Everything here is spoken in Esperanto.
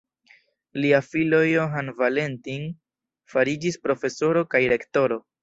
Lia filo Johann Valentin fariĝis profesoro kaj rektoro.